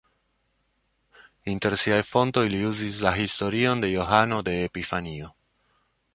Inter siaj fontoj li uzis la historion de Johano de Epifanio.